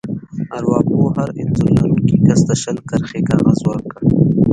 ارواپوه هر انځور لرونکي کس ته شل کرښې کاغذ ورکړ.